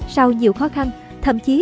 sau nhiều khó khăn thậm chí